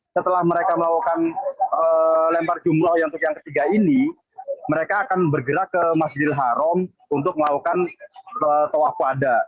setelah mereka melakukan lempar jumroh untuk yang ketiga ini mereka akan bergerak ke masjidil haram untuk melakukan toah kuada